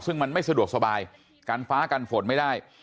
ซึ่งมันไม่สะดวกสบายกันฟ้ากันฝนไม่ได้